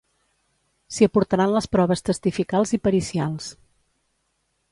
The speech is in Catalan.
S'hi aportaran les proves testificals i pericials.